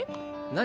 何？